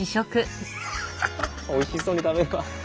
おいしそうに食べるわ。